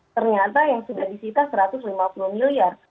ternyata yang sudah disita satu ratus lima puluh miliar